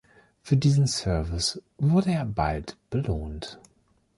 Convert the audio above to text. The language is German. Für diesen Service wurde er bald belohnt.